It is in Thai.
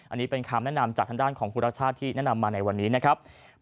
อันนี้เป็นคำแนะนำจากทางด้านของคุณรัชชาติที่แนะนำมาในวันนี้นะครับ